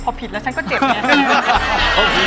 พอผิดแล้วฉันก็เจ็บเนี่ย